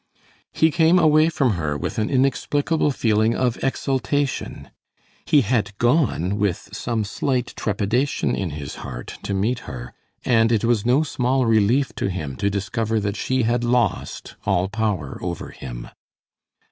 He came away from her with an inexplicable feeling of exultation. He had gone with some slight trepidation in his heart, to meet her, and it was no small relief to him to discover that she had lost all power over him.